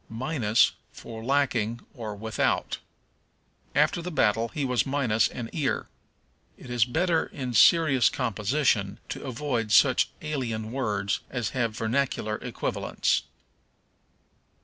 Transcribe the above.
Minus for Lacking, or Without. "After the battle he was minus an ear." It is better in serious composition to avoid such alien words as have vernacular equivalents.